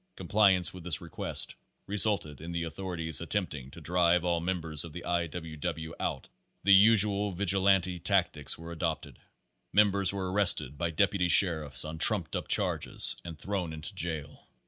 Compliance with this request resulted in the authorities attempting to drive all members of the I. W. W. out of that section. The usual Vigilante tactics were adopted. Members were arrested by deputy sheriffs on trumped up charges and thrown into jail.